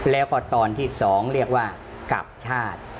แล้วก็ตอนที่๒เรียกว่ากลับชาติ